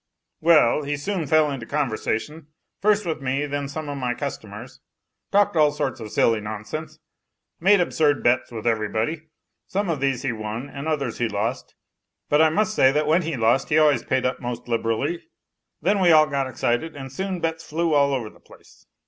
Well; he soon fell into conversation, first with me, then with some of my customers talked all sorts of silly nonsense, made absurd bets with everybody. Some of these he won, and others he lost; but I must say that when he lost he always paid up most liberally. Then we all got excited, and soon bets flew all over the place.